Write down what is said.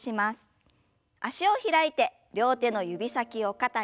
脚を開いて両手の指先を肩に。